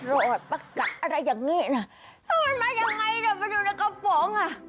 รอดประกัดอะไรอย่างนี้นะแล้วมันมายังไงเดี๋ยวมาดูในกระป๋องอ่ะ